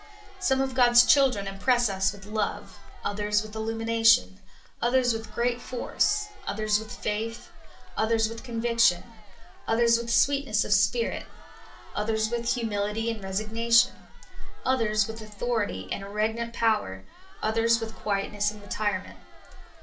Some of God's chil 76 SOUL FOOD. dren impress us with love, others with illumiuatioii, others with great force, others w4th faith, others wdth conviction, others with sweetness of spirit, others with humiUty and resignation, others with authority and a regnant power, others with quietness and retirement.